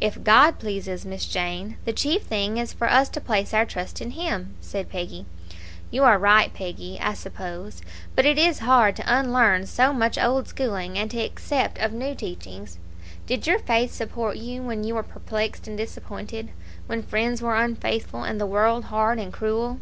"If God pleases, Miss Jane; the chief thing is for us to place our trust in Him," said Peggy. "You are right, Peggy, I suppose; but it is hard to unlearn so much old schooling and to accept of new teachings. Did your faith support you when you were perplexed and disappointed when friends were unfaithful, and the world hard and cruel?"